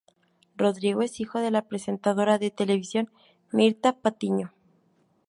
Rodrigo es hijo de la presentadora de televisión, Mirtha Patiño.